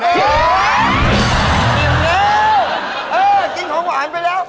เออกินของหวานไปแล้ว